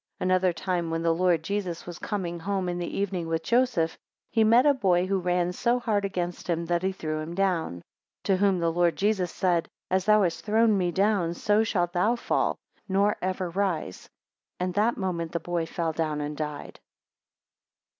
22 Another time, when the Lord Jesus was coming home in the evening with Joseph, he met a boy, who ran so hard against him, that he threw him down; 23 To whom the Lord Jesus said, As thou hast thrown me down, so shalt thou fall, nor ever rise. 24 And that moment the boy fell down and died.